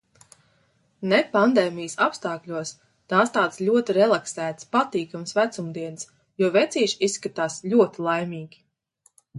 Ne pandēmijas apstākļos tās tādas ļoti relaksētas, patīkamas vecumdienas, jo vecīši izskatās ļoti laimīgi.